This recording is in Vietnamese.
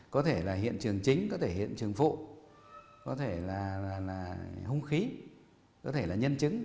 có thể là hiện trường chính có thể hiện trường phụ có thể là hung khí có thể là nhân chứng